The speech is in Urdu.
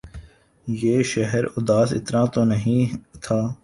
یہ شہر اداس اتنا زیادہ تو نہیں تھا